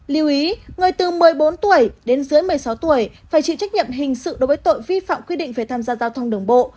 lưu ý người từ một mươi bốn tuổi đến dưới một mươi sáu tuổi phải chịu trách nhiệm hình sự đối với tội vi phạm quy định về tham gia giao thông đường bộ